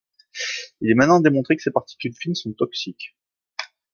Il est maintenant démontré que ces particules fines sont toxiques.